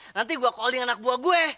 nanti gue calling anak buah gue